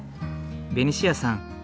ベニシアさん